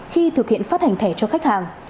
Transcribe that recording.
khi thực hiện phát hành thẻ cho khách hàng